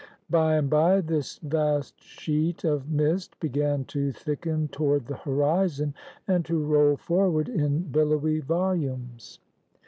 By and by this vast sheet of mist began to thicken toward the horizon and to roll forward in billowy volumes.